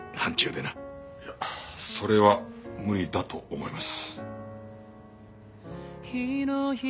いやそれは無理だと思います。